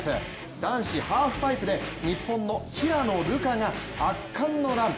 男子ハーフパイプで日本の平野流佳が圧巻のラン。